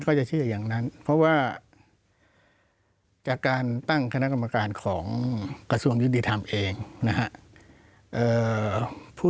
จะเชื่ออย่างนั้นเพราะว่าจากการตั้งคณะกรรมการของกระทรวงยุติธรรมเองนะฮะ